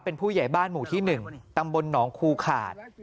เป็นผู้ใหญ่บ้านหมู่ที่๑ตำบลหนองคูขาด